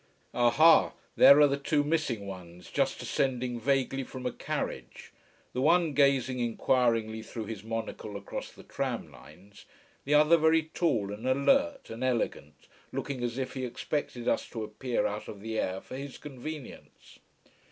Aha, there are the two missing ones, just descending vaguely from a carriage, the one gazing inquiringly through his monocle across the tram lines, the other very tall and alert and elegant, looking as if he expected us to appear out of the air for his convenience.